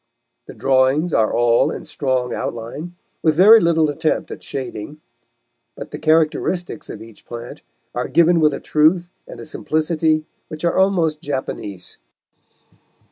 The drawings are all in strong outline, with very little attempt at shading, but the characteristics of each plant are given with a truth and a simplicity which are almost Japanese.